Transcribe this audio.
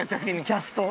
キャスト。